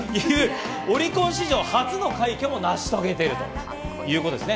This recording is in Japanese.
オリコン史上初の快挙も成し遂げているということです。